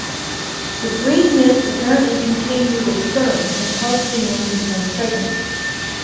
The green mist apparently contained Muta's sperm and caused Yinling to become pregnant.